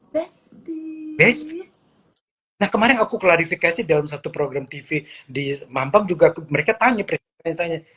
besties nah kemarin aku klarifikasi dalam satu program tv di mampang juga ke mereka tanya tanya